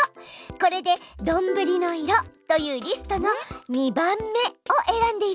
これで「どんぶりの色」というリストの２番目をえらんでいるの。